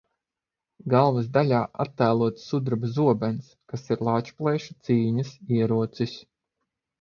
Galvas daļā attēlots sudraba zobens, kas ir Lāčplēša cīņas ierocis.